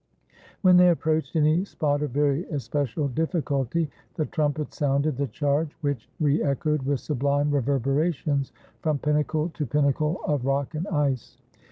When they approached any spot of very especial difi&culty, the trumpets sounded the charge, which re echoed, with sublime reverberations, from pinnacle to pinnacle of rock and ice.